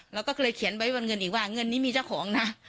เราก็เลยเขียนไว้บนเงินอีกว่าเงินนี้มีเจ้าของนะ